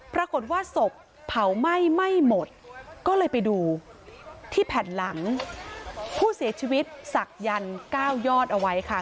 ปรากฏว่าศพเผาไหม้ไม่หมดก็เลยไปดูที่แผ่นหลังผู้เสียชีวิตศักดิ์๙ยอดเอาไว้ค่ะ